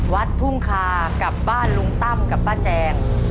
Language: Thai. วัดทุ่งคากับบ้านลุงตั้มกับป้าแจง